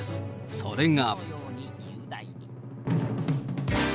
それが。